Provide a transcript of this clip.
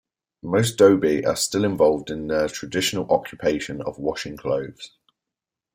Most Dhobi are still involved in their traditional occupation of washing clothes.